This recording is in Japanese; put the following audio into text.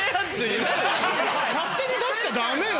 勝手に出しちゃダメよ